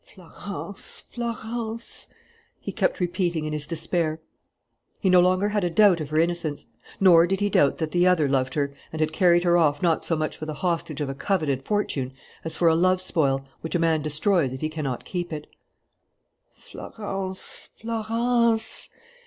"Florence! Florence!" he kept repeating, in his despair. He no longer had a doubt of her innocence. Nor did he doubt that the other loved her and had carried her off not so much for the hostage of a coveted fortune as for a love spoil, which a man destroys if he cannot keep it. "Florence! Florence!"